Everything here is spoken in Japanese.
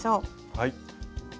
はい。